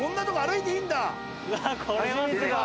うわっこれはすごい。